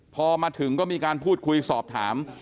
พอมาถึงก็มีการพูดคุยสอบถาม